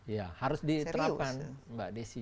ya harus diterapkan mbak desi